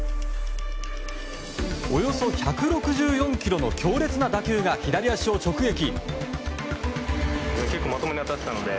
およそ１６４キロの強烈な打球が左足を直撃。